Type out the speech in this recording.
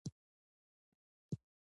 پاک مې احساسات دي.